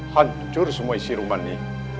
hancur semua isi rumah ini